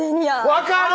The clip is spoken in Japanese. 分かる！